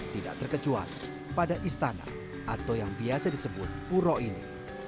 tidak terkecuali pada istana atau yang biasa disebut puro ini